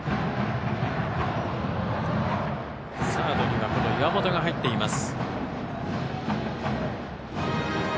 サードには岩本が入っています。